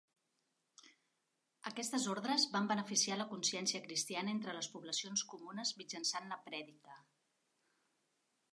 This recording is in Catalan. Aquestes ordres van beneficiar la consciència cristiana entre les poblacions comunes mitjançant la prèdica.